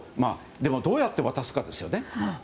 でもどうやって渡すかですよね。